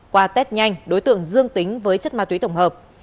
qua test nhanh đối tượng dương tính với chất ma túy tổng hợp